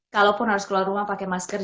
kalaupun harus keluar rumah pakai masker